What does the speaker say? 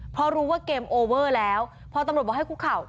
เพราะรู้ว่าเกมโอเวอร์แล้วพอตำรวจบอกให้คุกเข่า